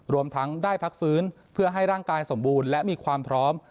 รวมทั้งได้พักฟื้นเพื่อให้ร่างกายสมบูรณ์และมีความพร้อม